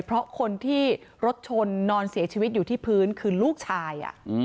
เพราะคนที่รถชนนอนเสียชีวิตอยู่ที่พื้นคือลูกชาย